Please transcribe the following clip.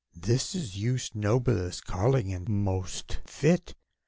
This is Youth's noblest calling and most fit!